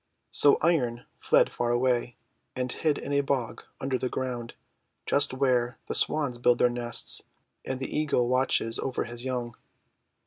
So Iron fled far away, and hid in a bog under the ground, just where the Swans build their nests and the Eagle watches over his young.